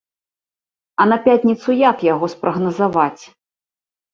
А на пятніцу як яго спрагназаваць?